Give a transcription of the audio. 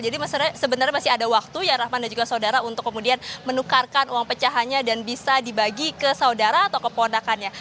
jadi sebenarnya masih ada waktu ya rahman dan juga saudara untuk kemudian menukarkan uang pecahannya dan bisa dibagi ke saudara atau kepondakannya